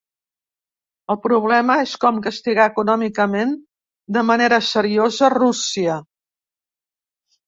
El problema és com castigar econòmicament de manera seriosa Rússia.